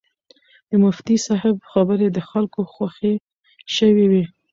د مفتي صاحب خبرې د خلکو خوښې شوې وې.